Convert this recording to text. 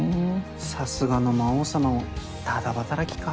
さすがの魔王様もタダ働きか。